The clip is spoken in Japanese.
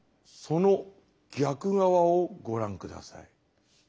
その逆側をご覧下さい。